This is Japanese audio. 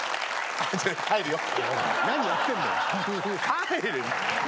帰る。